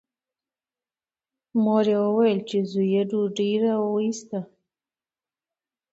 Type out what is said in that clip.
مور یې وویل چې زوی یې ډوډۍ راوایسته.